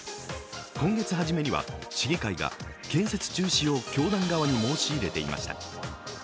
今月初めには市議会が建設中止を教団側に申し入れていました。